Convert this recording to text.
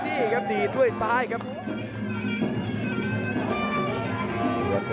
ฝีนขำนำเข้ามา